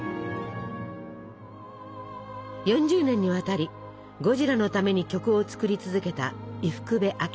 ４０年にわたりゴジラのために曲を作り続けた伊福部昭。